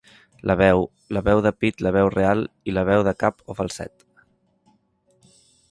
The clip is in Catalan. La veu, la veu de pit la veu real, i la veu de cap o falset.